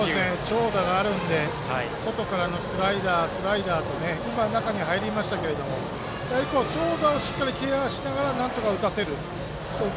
長打があるので外からのスライダー、スライダーと中に入りましたけど長打をケアしながらなんとか打たせる。